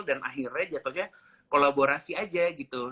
akhirnya jatuhnya kolaborasi aja gitu